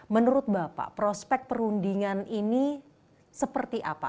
menurut bapak prospek perundingan ini seperti apa